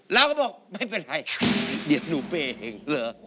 แล้วก็บอกไม่เป็นไรเดี๋ยวหนูเปย์เองเหรอ